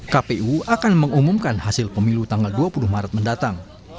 kpu akan mengumumkan hasil pemilu tanggal dua puluh maret mendatang